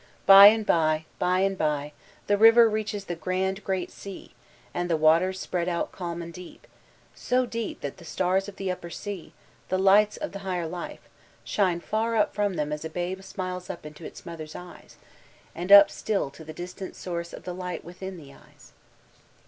Bye and bye, bye and bye, the river reaches the grand, great sea, and the waters spread out calm and deep, so deep that the stars of the upper sea, the lights of the higher life, shine far up from them as a babe smiles up into its mother's eyes, and up still to the distant source of tihe light within the eyes.